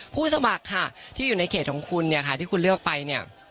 สมัครค่ะที่อยู่ในเขตของคุณเนี่ยค่ะที่คุณเลือกไปเนี่ย